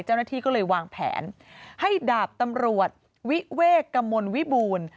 เจ้าหน้าที่ก็เลยวางแผนให้ดาบตำรวจวิเวกกมลวิบูรณ์